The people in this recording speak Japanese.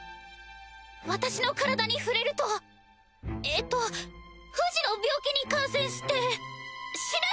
私の体に触れるとえっと不治の病気に感染して死ぬ！